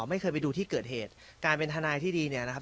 ไม่เคยไปดูที่เกิดเหตุการเป็นทนายที่ดีเนี่ยนะครับ